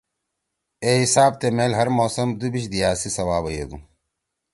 اے حساب تے میل ہر موسم دُوبیِش دیا سی سوابیدُو۔